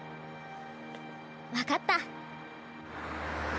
分かった。